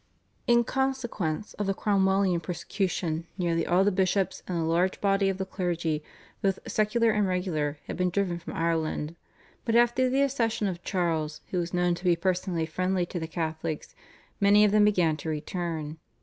In consequence of the Cromwellian persecution nearly all the bishops and a large body of the clergy, both secular and regular, had been driven from Ireland, but after the accession of Charles, who was known to be personally friendly to the Catholics, many of them began to return.